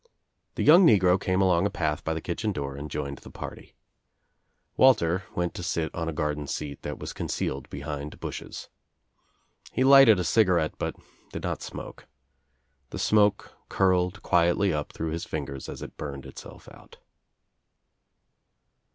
The young negro came along a path by the kitchen door and joined the party. Walter went to sit on a garden scat that was concealed behind bushes. He lighted a cigarette but did not smoke. The smoke curled quietly up throu^ his fingers as it burned itself out.